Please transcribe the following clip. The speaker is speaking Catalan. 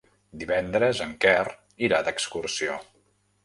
Divendres en Quer irà d'excursió.